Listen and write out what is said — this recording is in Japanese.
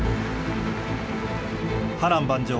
波乱万丈。